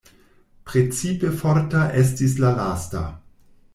Precipe forta estis la lasta.